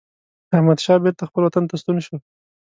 احمدشاه بیرته خپل وطن ته ستون شو.